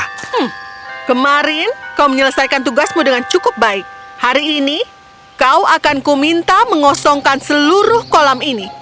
hmm kemarin kau menyelesaikan tugasmu dengan cukup baik hari ini kau akan ku minta mengosongkan seluruh kolam ini